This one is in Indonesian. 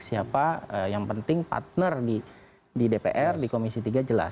siapa yang penting partner di dpr di komisi tiga jelas